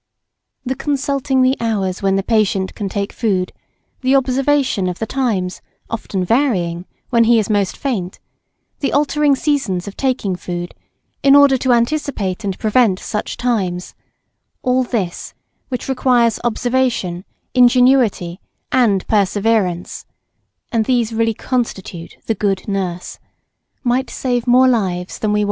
The consulting the hours when the patient can take food, the observation of the times, often varying, when he is most faint, the altering seasons of taking food, in order to anticipate and prevent such times all this, which requires observation, ingenuity, and perseverance (and these really constitute the good Nurse), might save more lives than we wot of.